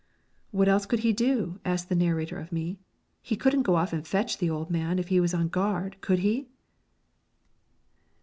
"What else could he do?" asked the narrator of me. "He couldn't go off and fetch the old man if he was on guard, could he?"